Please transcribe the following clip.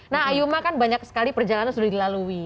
nah ayuma kan banyak sekali perjalanan sudah dilalui